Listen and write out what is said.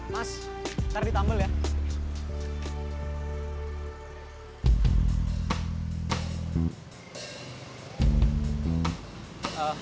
mas ntar ditambel ya